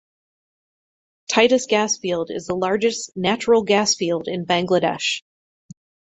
Titas gas field is the largest natural gas field in Bangladesh.